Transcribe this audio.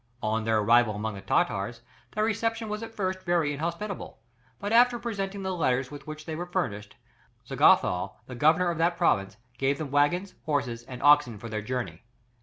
On their arrival among the Tartars, their reception was at first very inhospitable, but after presenting the letters with which they were furnished, Zagathal, the governor of that province, gave them waggons, horses, and oxen for their journey.